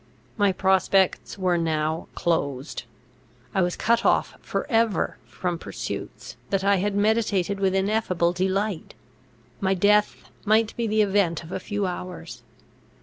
My prospects were now closed; I was cut off for ever from pursuits that I had meditated with ineffable delight; my death might be the event of a few hours.